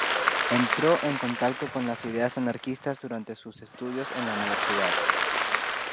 Entró en contacto con las ideas anarquistas durante sus estudios en la universidad.